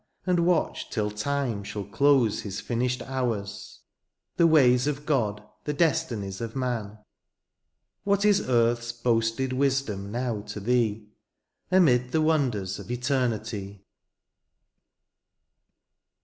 And watch till time shall close his finished hours. The ways of God, the destinies of man : What is earth's boasted wisdom now to thee. Amid the wonders of Eternity